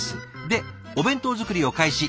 でお弁当作りを開始。